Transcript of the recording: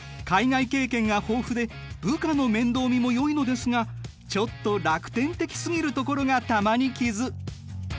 海外経験が豊富で部下の面倒見もよいのですがちょっと楽天的すぎるところが玉にきず。